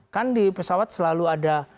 kan di pesawat selalu ada